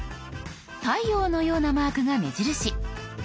太陽のようなマークが目印。